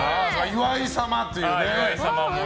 岩井様というね。